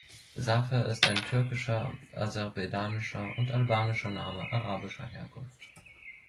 Zafer ist ein türkischer, aserbaidschanischer und albanischer Name arabischer Herkunft.